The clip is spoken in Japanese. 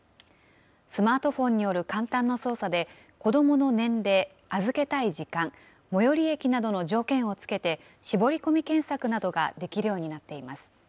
スマートフォンによる簡単な操作で、子どもの年齢、預けたい時間、最寄り駅などの条件を付けて、絞り込み検索などができるようになっています。